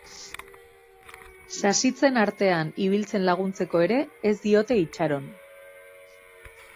Sasitzen artean ibiltzen laguntzeko ere ez diote itxaron.